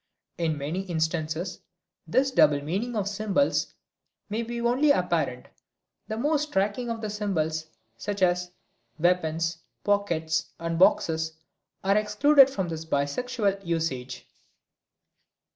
In many instances this double meaning of symbols may be only apparent; the most striking of the symbols, such as weapons, pockets and boxes are excluded from this bisexual usage.